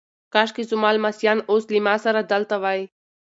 کاشکي زما لمسیان اوس له ما سره دلته وای.